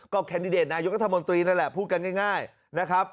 แคนดิเดตนายกัธมนตรีนั่นแหละพูดกันง่ายนะครับ